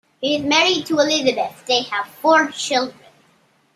He is married to Elizabeth; they have four children.